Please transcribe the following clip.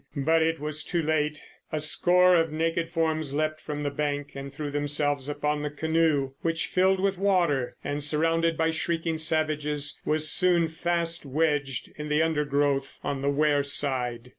But it was too late, a score of naked forms leapt from the bank and threw themselves upon the canoe, which filled with water, and surrounded by shrieking savages was soon fast wedged in the undergrowth on the wear side.